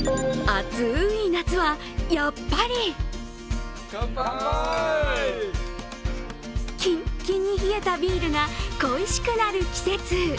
暑い夏は、やっぱりキンキンに冷えたビールが恋しくなる季節。